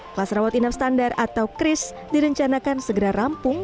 kelas rawat inap standar atau kris direncanakan segera rampung